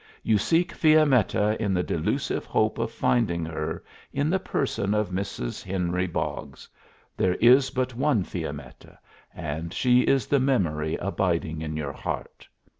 You seek Fiammetta in the delusive hope of finding her in the person of Mrs. Henry Boggs; there is but one Fiammetta, and she is the memory abiding in your heart.